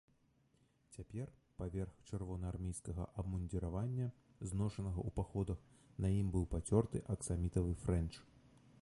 Цяпер паверх чырвонаармейскага абмундзіравання, зношанага ў паходах, на ім быў пацёрты аксамітавы фрэнч.